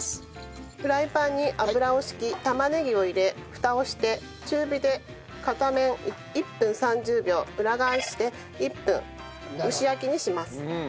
フライパンに油を引き玉ねぎを入れフタをして中火で片面１分３０秒裏返して１分蒸し焼きにします。